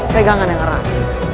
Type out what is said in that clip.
pegangan yang erat